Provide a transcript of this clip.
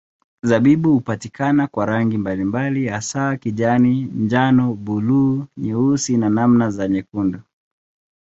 Zabibu hupatikana kwa rangi mbalimbali hasa kijani, njano, buluu, nyeusi na namna za nyekundu.